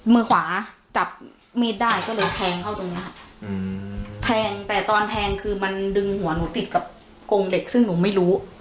มือขวาจับมีดได้ก็เลยแทงเข้าตรงเนี้ยอืมแทงแต่ตอนแทงคือมันดึงหัวหนูติดกับกรงเหล็กซึ่งหนูไม่รู้